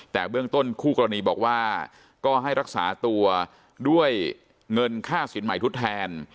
แต่เบื้องต้นคู่กรณีบอกว่าก็ให้รักษาตัวด้วยเงินค่าสินใหม่ทดแทน